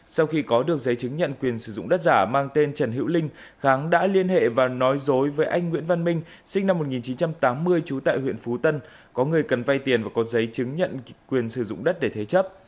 sau khi có được giấy chứng nhận quyền sử dụng đất giả mang tên trần hữu linh kháng đã liên hệ và nói dối với anh nguyễn văn minh sinh năm một nghìn chín trăm tám mươi trú tại huyện phú tân có người cần vay tiền và có giấy chứng nhận quyền sử dụng đất để thế chấp